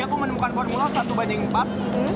jadi aku menemukan formula satu banyak empat